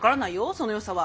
そのよさは。